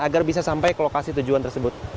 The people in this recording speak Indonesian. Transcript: agar bisa sampai ke lokasi tujuan tersebut